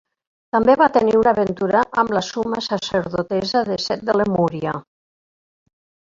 També va tenir una aventura amb la suma sacerdotessa de Set de Lemúria.